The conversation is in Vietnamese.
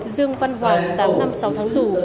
dương văn hoàng tám năm sáu tháng tù